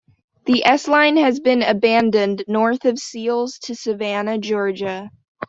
The S-Line has been abandoned north of Seals to Savannah, Georgia.